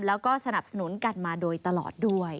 แล้วก็สนับสนุนกันมาโดยตลอดด้วย